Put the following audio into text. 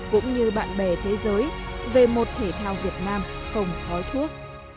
cũng như bạn bè thế giới về một thể thao việt nam không khói thuốc